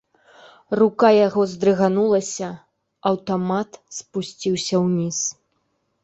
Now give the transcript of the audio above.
Рука яго здрыганулася, аўтамат спусціўся ўніз.